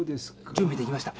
準備できました。